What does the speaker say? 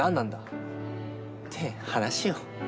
って話よ。